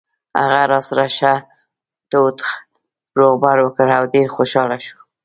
هغه راسره ښه تود روغبړ وکړ او ډېر خوشاله شو.